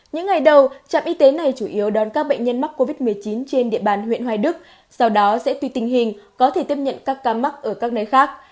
những ngày đầu trạm y tế này chủ yếu đón các bệnh nhân mắc covid một mươi chín trên địa bàn huyện hoài đức sau đó sẽ tùy tình hình có thể tiếp nhận các ca mắc ở các nơi khác